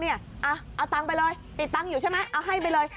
เอาตังค์ไปเลยติดตังค์อยู่ใช่ไหมเอาให้ไปเลย